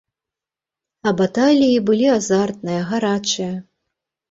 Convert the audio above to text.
А баталіі былі азартныя, гарачыя.